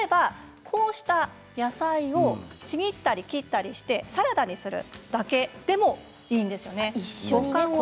こうした野菜をちぎったり切ったりしてサラダにするだけでもいいんですよね。